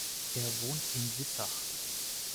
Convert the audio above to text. Er wohnt in Sissach.